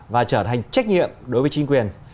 và trở thành trách nhiệm đối với chính quyền